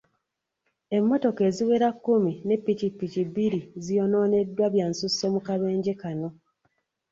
Emmotoka eziwera kkumi ne ppikipiki bbiri ziyonooneddwa byansusso mu kabenje kano.